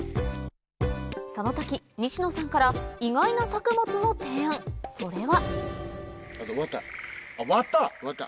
その時西野さんから意外な作物の提案それはワタ！